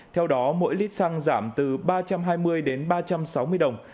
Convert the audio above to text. theo đó mỗi lít xăng giảm từ ba trăm hai mươi đến ba trăm sáu mươi đồng